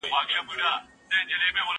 کېدای سي زدکړه سخته وي!!